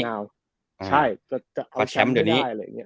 ใช่ก็จะเอาแชมป์เดี๋ยวนี้